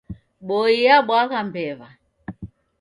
Boi yabwagha mbew'a.